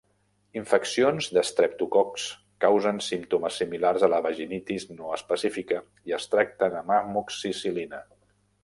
Infeccions d'estreptococs causen símptomes similars a la vaginitis no específica i es tracten amb amoxicil·lina.